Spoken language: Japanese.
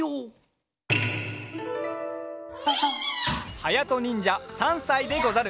はやとにんじゃ３さいでござる。